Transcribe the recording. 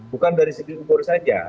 bukan dari segi umur saja